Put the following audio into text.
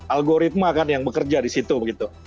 algoritma kan yang bekerja di situ begitu